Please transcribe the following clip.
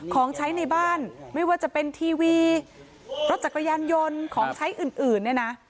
ของใช้ในบ้านไม่ว่าจะเป็นทีวีรถจักรยานยนต์ของใช้อื่นเนี่ยนะ